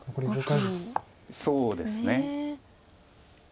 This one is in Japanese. そうですね。